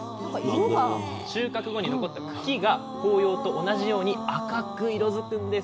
収穫後に残った茎が紅葉と同じように赤く色づくんです。